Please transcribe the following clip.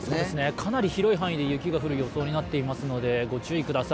かなり広い範囲で雪が降る予想になっていますので、ご注意ください。